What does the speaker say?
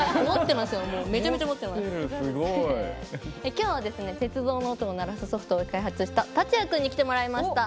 きょうは、鉄道の音を鳴らすソフトを開発したたつや君に来てもらいました。